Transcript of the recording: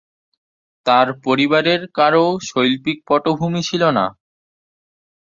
তাঁর পরিবারের কারও শৈল্পিক পটভূমি ছিল না।